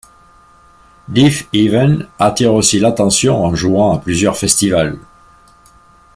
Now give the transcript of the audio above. Deafheaven attire aussi l'attention en jouant à plusieurs festivals.